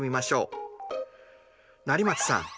成松さん